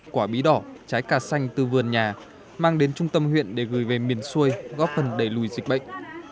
quả bí đỏ trái cà xanh từ vườn nhà mang đến trung tâm huyện để gửi về miền xuôi góp phần đẩy lùi dịch bệnh